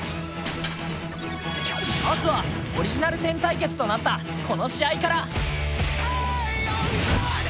まずは、オリジナル１０対決となったこの試合から。